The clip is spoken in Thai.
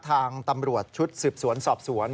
ทางตำรวจชุดสืบสวนสอบสวน